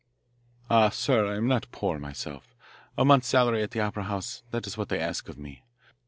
"Ah, sir, I am not poor myself. A month's salary at the opera house, that is what they ask of me.